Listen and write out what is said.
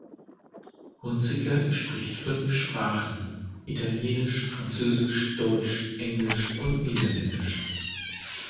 Hunziker spricht fünf Sprachen: Italienisch, Französisch, Deutsch, Englisch und Niederländisch.